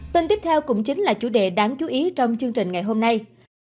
tin tiếp theo cũng chính là chủ đề đáng chú ý trong chương trình ngày hôm nay